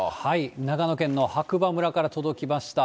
長野県の白馬村から届きました。